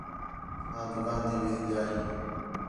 آں دُُکان تی وِہ ڳِیا ہیں